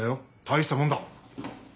大したもんだ。